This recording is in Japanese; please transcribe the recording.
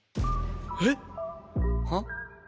えっ？はっ？